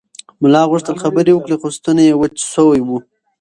ملا غوښتل خبرې وکړي خو ستونی یې وچ شوی و.